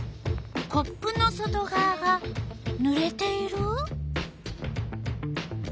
コップの外がわがぬれている？